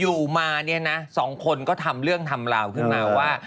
อยู่มานะ๒คนก็ทำเรื่องทำราวขึ้นมาว่า